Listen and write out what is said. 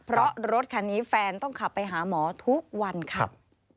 เพราะรถคันนี้แฟนต้องขับไปหาหมอทุกวันครับ